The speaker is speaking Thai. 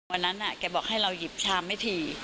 วันนั้นแกบอกให้เราหยิบชามให้ถี่